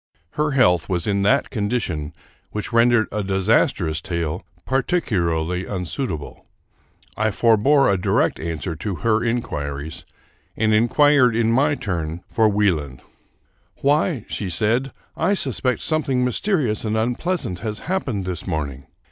Her health was in that condition which rendered a disastrous tale particularly unsuitable. I forbore a direct answer to her inquiries, and inquired, in my turn, for Wie land. '* Why," said she, " I suspect something mysterious and unpleasant has happened this morning.